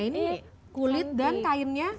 ini kulit dan kainnya